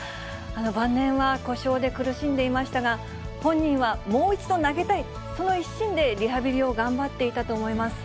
晩年は故障で苦しんでいましたが、本人は、もう一度投げたい、その一心でリハビリを頑張っていたと思います。